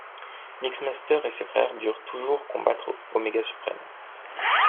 Mixmaster et ses frères durent toujours combattre Oméga Suprême.